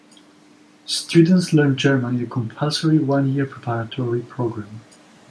Students learn German in a compulsory one-year preparatory program.